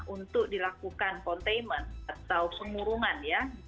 untuk dilakukan containment atau pengurungan ya